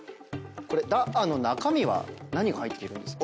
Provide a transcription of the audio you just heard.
ダッアの中身は何が入っているんですか？